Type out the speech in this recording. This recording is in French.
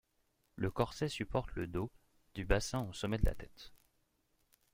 Le corset supporte le dos, du bassin au sommet de la tête.